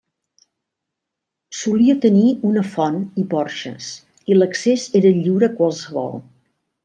Solia tenir una font i porxes, i l'accés era lliure a qualsevol.